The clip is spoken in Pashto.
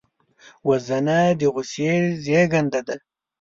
وژنه د غصې زېږنده ده